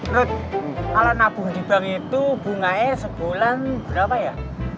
ruth kalau nabung di bank itu bunganya sebulan berapa ya